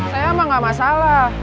sayang mah gak masalah